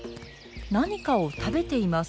何かを食べています。